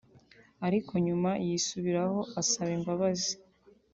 ariko nyuma yisubiraho asaba imbabazi